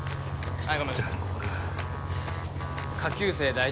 はい